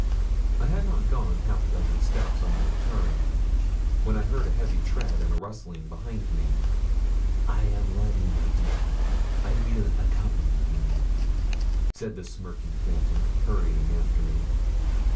I had not gone half a dozen steps on my return when I heard a heavy tread and a rustling behind me. 'I am ready, my dear; I weel accompany you,' said the smirking phantom, hurrying after me.